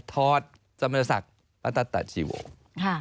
ถอดสมรรณศักดิ์พระทัศร์ตะชีวงต์